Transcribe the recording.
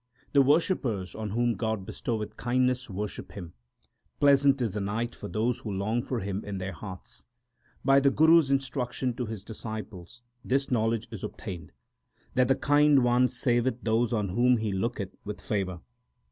The worshippers on whom God bestoweth kindness worship Him ; Pleasant 2 is the night for those who long for Him in their hearts. By the Guru s instruction to his disciples this knowledge is obtained, That the Kind One saveth those on whom He looketh with favour.